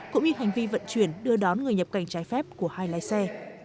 cũng như hành vi vận chuyển đưa đón người nhập cảnh trái phép của hai lái xe